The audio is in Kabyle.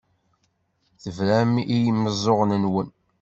Tebram i yimeẓẓuɣen-nwen.